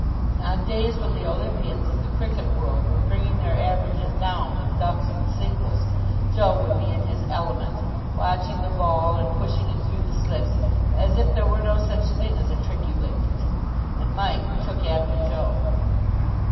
On days when the Olympians of the cricket world were bringing their averages down with ducks and singles, Joe would be in his element, watching the ball and pushing it through the slips as if there were no such thing as a tricky wicket. And Mike took after Joe.